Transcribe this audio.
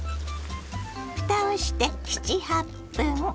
ふたをして７８分。